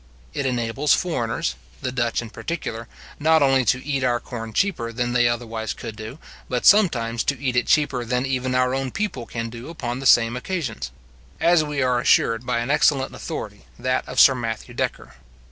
It enables foreigners, the Dutch in particular, not only to eat our corn cheaper than they otherwise could do, but sometimes to eat it cheaper than even our own people can do upon the same occasions; as we are assured by an excellent authority, that of Sir Matthew Decker.